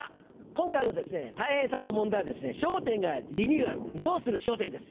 今回のたい平さんの問題はですね『笑点』がリニューアルどうする笑点です。